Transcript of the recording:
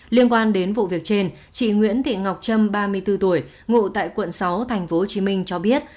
liên quan đến vụ việc trên chị nguyễn thị ngọc trâm ba mươi bốn tuổi ngụ tại quận sáu tp hcm cho biết